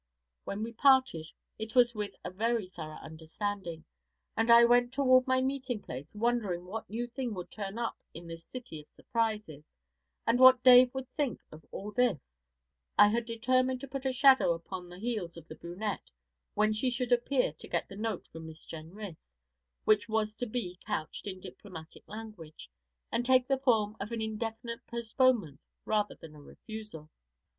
When we parted it was with a very thorough understanding, and I went toward my meeting place wondering what new thing would turn up in this city of surprises, and what Dave would think of all this. I had determined to put a shadow upon the heels of the brunette when she should appear to get the note from Miss Jenrys, which was to be couched in diplomatic language, and take the form of an indefinite postponement rather than a refusal.